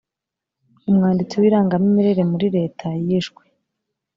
umwanditsi w irangamimerere muri leta yishwe